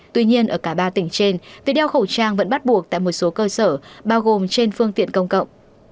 tuy nhiên ở cả ba tỉnh trên việc đeo khẩu trang vẫn bắt buộc tại một số cơ sở bao gồm trên phương tiện công cộng